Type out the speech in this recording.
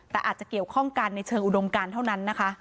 แต่อาจจะเกี่ยวข้องกันในเชิงอุดมการเท่านั้นนะคะ